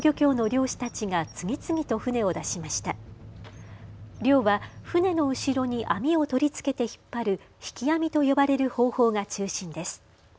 漁は船の後ろに網を取り付けて引っ張る引き網と呼ばれる方法が中心です。